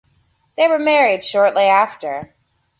They were married shortly after.